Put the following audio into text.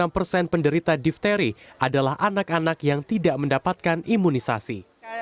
sembilan puluh enam persen penderita difteri adalah anak anak yang tidak mendapatkan imunisasi